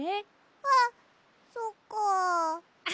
あっそっかあ。